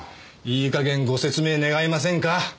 いい加減ご説明願えませんか？